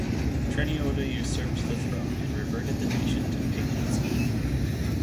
Treniota usurped the throne and reverted the nation to paganism.